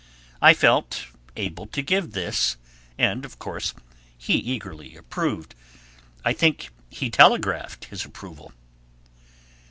I felt able to give this, and, of course, he eagerly approved; I think he telegraphed his approval.